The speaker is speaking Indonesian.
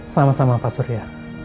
sama sama pak surya